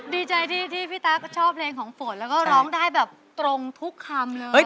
ดีใจที่พี่ตั๊กชอบเพลงของฝนแล้วก็ร้องได้แบบตรงทุกคำเลย